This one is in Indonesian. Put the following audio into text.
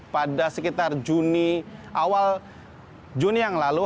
pada sekitar juni awal juni yang lalu